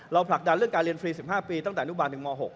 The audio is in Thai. ผลักดันเรื่องการเรียนฟรี๑๕ปีตั้งแต่อนุบาลถึงม๖